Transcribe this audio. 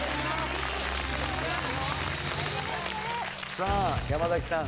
さあ山崎さん